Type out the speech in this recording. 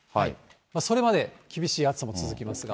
それまで厳しい暑さも続きますが。